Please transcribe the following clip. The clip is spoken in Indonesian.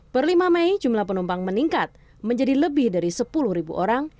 per lima mei jumlah penumpang meningkat menjadi lebih dari sepuluh orang